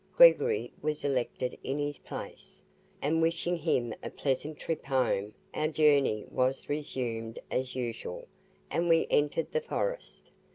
Gregory was elected in his place, and wishing him a pleasant trip home, our journey was resumed as usual, and we entered the forest.